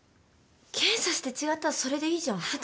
検査して違ったらそれでいいじゃん。